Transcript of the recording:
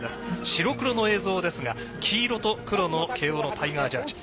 白黒の映像ですが黄色と黒の慶応のタイガージャージ。